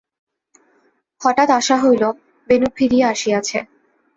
হঠাৎ আশা হইল, বেণু ফিরিয়া আসিয়াছে।